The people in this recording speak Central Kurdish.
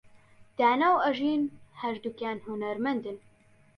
دانا و ئەژین هەردووکیان هونەرمەندن.